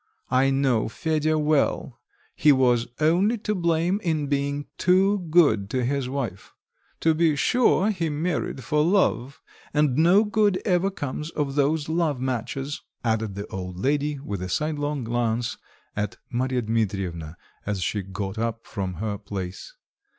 I know Fedya well; he was only to blame in being too good to his wife. To be sure, he married for love, and no good ever comes of those love matches," added the old lady, with a sidelong glance at Marya Dmitrievna, as she got up from her place.